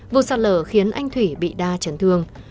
vụ sạt lở khiến anh thủy bị đa chấn thương